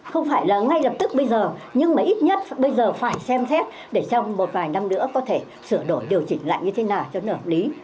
không phải là ngay lập tức bây giờ nhưng mà ít nhất bây giờ phải xem xét để trong một vài năm nữa có thể sửa đổi điều chỉnh lại như thế nào cho nó hợp lý